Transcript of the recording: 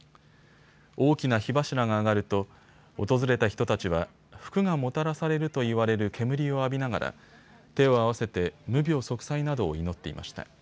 大きな火柱が上がると訪れた人たちは福がもたらされると言われる煙を浴びながら手を合わせて無病息災などを祈っていました。